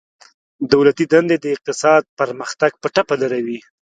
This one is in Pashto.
دولتي دندي د اقتصاد پرمختګ په ټپه دروي